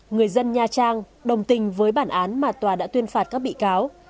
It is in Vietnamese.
người dân nha trang đồng tình với bản án mà tòa đã tuyên phạt các bị cáo